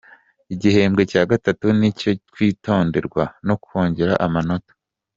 Igihembwe cya Gatatu ni icyo kwitonderwa no kongera amanota